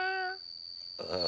ああ。